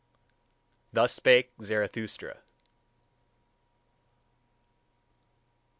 Thus spake Zarathustra.